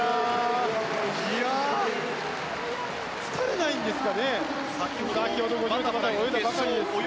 疲れないんですかね？